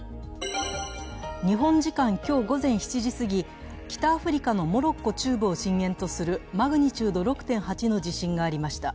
日本時間今日午前７時すぎ、北アフリカのモロッコ中部を震源とするマグニチュード６．８の地震がありました。